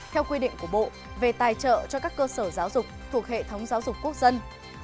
theo quy định của bộ về tài trợ cho các cơ sở giáo dục thuộc hệ thống giáo dục quốc dân